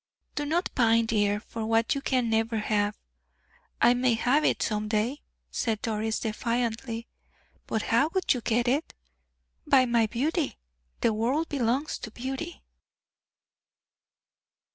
"Do not pine, dear, for what you can never have." "I may have it some day," said Doris, defiantly. "But how would you get it?" "By my beauty. The world belongs to beauty."